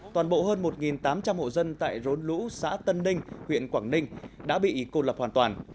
toàn bộ hơn một tám trăm linh hộ dân tại rốn lũ xã tân ninh huyện quảng ninh đã bị cô lập hoàn toàn